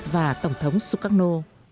và tổng thống sukarno